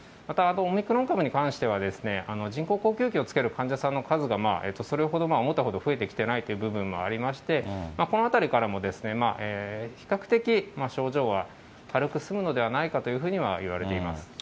またオミクロン株に関しては、人工呼吸器をつける患者さんの数が、それほど、思ったほど増えてきていないという部分もありまして、このあたりからも比較的、症状は軽く済むのではないかというふうにいわれています。